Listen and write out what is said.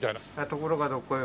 ところがどっこい